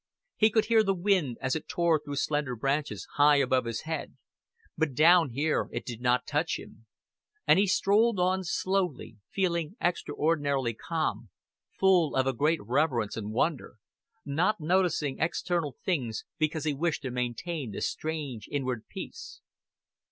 He could hear the wind as it tore through slender branches high above his head, but down here it did not touch him; and he strolled on slowly, feeling extraordinarily calm, full of a great reverence and wonder, not noticing external things because he wished to maintain this strange inward peace.